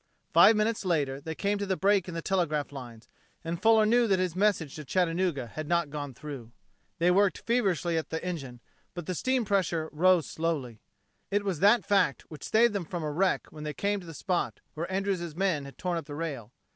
Five minutes later they came to the break in the telegraph lines, and Fuller knew that his message to Chattanooga had not gone through. They worked feverishly at the engine, but the steam pressure rose slowly. It was that fact which saved them from a wreck when they came to the spot where Andrews' men had torn up the rail.